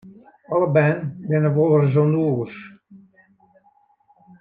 Alle bern binne wolris ûndogens.